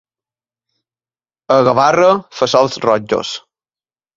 A Gavarra, fesols rojos.